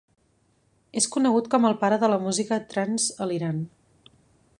És conegut com el pare de la música trance a l'Iran.